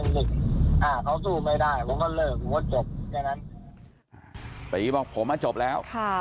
ถ้าเขาสู้ไม่ได้ผมก็เลิกผมก็จบแค่นั้นตีบอกผมอ่ะจบแล้ว